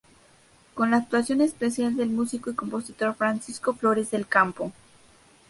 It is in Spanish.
Con la actuación especial del músico y compositor Francisco Flores del Campo.